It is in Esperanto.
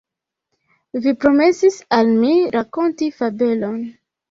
Vi promesis al mi rakonti fabelon.